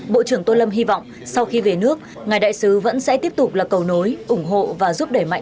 bộ trưởng tô lâm hy vọng sau khi về nước ngài đại sứ vẫn sẽ tiếp tục là cầu nối ủng hộ và giúp đẩy mạnh